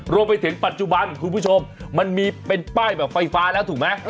รวมไปถึงปัจจุบันคุณผู้ชมมันมีเป็นป้ายแบบไฟฟ้าแล้วถูกไหม